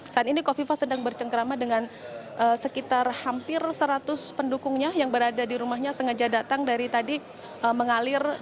tadi hovifa sedang bercengkerama dengan sekitar hampir seratus pendukungnya yang berada di rumahnya sengaja datang dari tadi mengalir